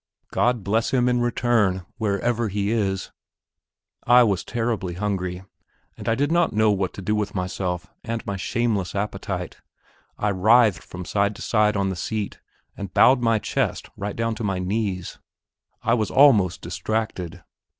God bless him in return, wherever he is!... I was terribly hungry, and I did not know what to do with myself and my shameless appetite. I writhed from side to side on the seat, and bowed my chest right down to my knees; I was almost distracted.